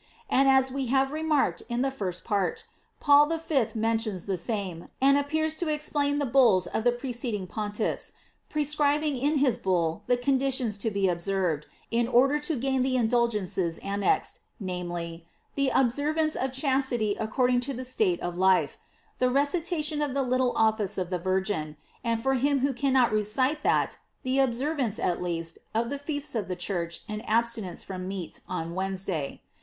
And as we have remark ed in the first part,* Paul V. mentions the same, and appears to explain the bulls of the preceding pontiffs, prescribing in his bull the conditions to be observed in order to gain the indulgences annexed, namely, the observance of chastity ac cording to the state of life, the recitation of the little office of the Virgin, and for him who can not recite that, the observance, at least, of the feasts of the Church and abstinence from meat on Wednesday.